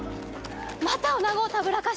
またおなごをたぶらかして！